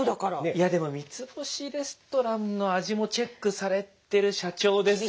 いやでも三つ星レストランの味もチェックされてる社長ですから。